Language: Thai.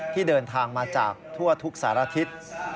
ที่เดินทางมาจากทั่วทุกสารทิศ